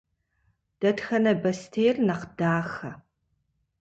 Дэтхэнэ бостейр нэхъ дахэ?